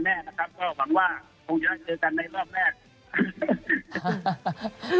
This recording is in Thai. ทุกคนก็ให้เขียนอยู่แล้วนะ